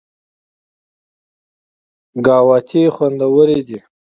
ګاوتې خوندورې دي.